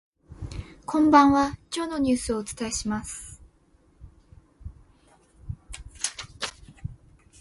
こんばんは、今日のニュースをお伝えします。